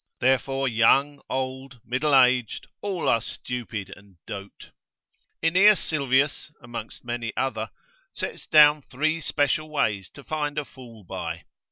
Therefore young, old, middle age, are all stupid, and dote. Aeneas Sylvius, amongst many other, sets down three special ways to find a fool by.